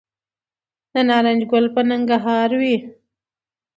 د نارنج ګل به پرننګرهار وي